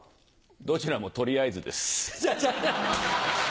どちらも「取りあえず」です。